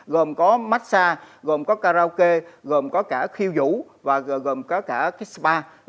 gồm có massage gồm có karaoke gồm có cả khiêu vũ và gồm có cả cái spa